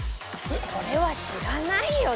これは知らないよ